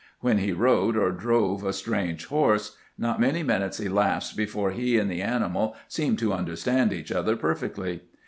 When he rode or drove a strange horse, not many minutes elapsed before he and the animal seemed to understand each other perfectly.